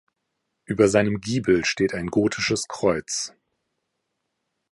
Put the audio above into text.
Über seinem Giebel steht ein gotisches Kreuz.